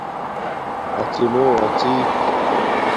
اڎی مݸ اڎݵ